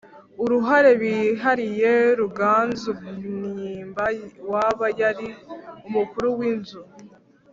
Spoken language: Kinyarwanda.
uruhare bihariye Ruganzu Bwimba waba yari umukuru w inzu